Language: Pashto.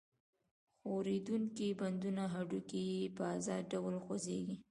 ښورېدونکي بندونه هډوکي یې په آزاد ډول خوځېږي.